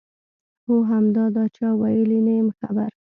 هو همدا، دا چا ویلي؟ نه یم خبر.